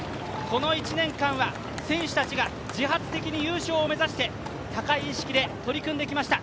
この１年間は選手たちが自発的に優勝を目指して高い意識で取り組んできました。